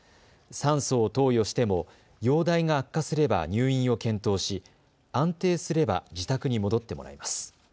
酸素を投与しても容体が悪化すれば入院を検討し安定すれば自宅に戻ってもらいます。